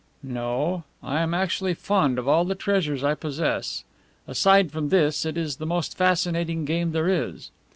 "No, I am actually fond of all the treasures I possess. Aside from this, it is the most fascinating game there is.